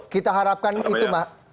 kita harapkan itu